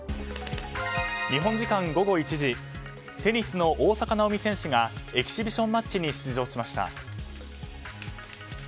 日本時間午後１時テニスの大坂なおみ選手がエキシビションマッチに出場しました。